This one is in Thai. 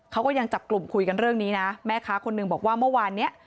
เขาก็ยังจับกลุ่มคุยกันเรื่องนี้นะแม่ค้าคนหนึ่งบอกว่าเมื่อวานเนี้ย